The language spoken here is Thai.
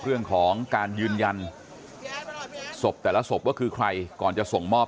เรื่องของการยืนยันศพแต่ละศพว่าคือใครก่อนจะส่งมอบ